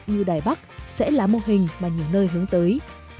như đài bắc sẽ là mô hình mà nhiều nơi hướng tới